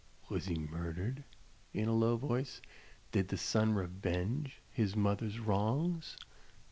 Was he murdered?" in a low voice; "did the son revenge his mother's wrongs?"